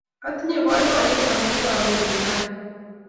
Atinye poipoiyet amun kakerin raini